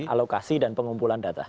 alokasi dan pengumpulan data